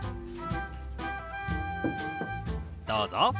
どうぞ。